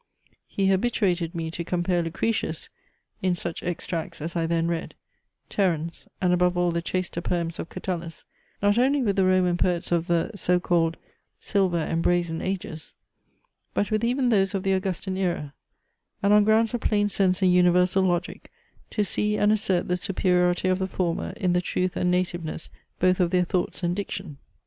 He habituated me to compare Lucretius, (in such extracts as I then read,) Terence, and above all the chaster poems of Catullus, not only with the Roman poets of the, so called, silver and brazen ages; but with even those of the Augustan aera: and on grounds of plain sense and universal logic to see and assert the superiority of the former in the truth and nativeness both of their thoughts and diction.